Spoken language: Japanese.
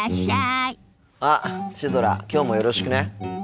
あっシュドラきょうもよろしくね。